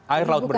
air laut berdiri